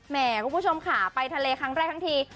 คุณผู้ชมค่ะไปทะเลครั้งแรกทั้งที